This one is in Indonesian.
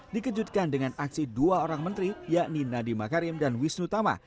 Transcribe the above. dikejutkan dengan aksi dua orang menteri yakni nadiem makarim dan wisnu tama